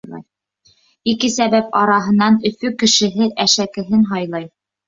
Ике сәбәп араһынан Өфө кешеһе әшәкеһен һайлай.